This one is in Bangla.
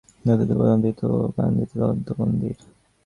বৌদ্ধদের প্রধান তীর্থ কান্দিতে দন্ত-মন্দির।